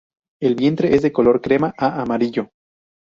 El vientre es de color crema a amarillo.